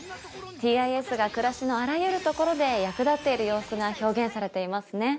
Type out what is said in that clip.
ＴＩＳが暮らしのあらゆるところで役立っている様子が表現されていますね。